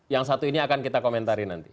yang satu ini akan kita komentari nanti